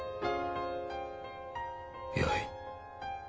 よい。